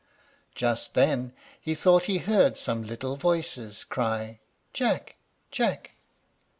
Just then he thought he heard some little voices cry, "Jack! Jack!"